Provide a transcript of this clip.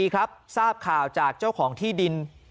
ครับทราบข่าวจากเจ้าของที่ดิน